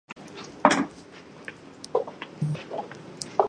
It is based on the comic book character Spider-Man released by Marvel Comics.